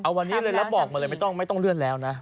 เอาวันนี้เลยแล้วบอกมาเลยไม่ต้องเลื่อนแล้วนะ